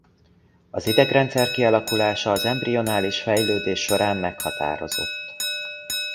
Az idegrendszer kialakulása az embrionális fejlődés során meghatározott.